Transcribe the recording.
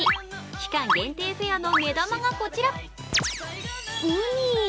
期間限定フェアの目玉がこちら、うに！